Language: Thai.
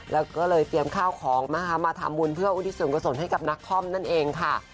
แล้วก็เลยเตรียมข้าวของนะคะมาทำบุญเพื่ออุทิศส่วนกุศลให้กับนักคอมนั่นเองค่ะ